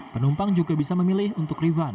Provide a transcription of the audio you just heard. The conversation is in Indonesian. penumpang juga bisa memilih untuk refund